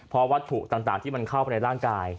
เพราะวัตถุต่างที่มันเข้าไปในร่างกาย